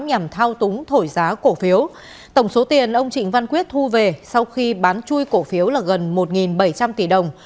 nhằm thao túng thổi giá cổ phiếu tổng số tiền ông trịnh văn quyết thu về sau khi bán chui cổ phiếu là gần một bảy trăm linh tỷ đồng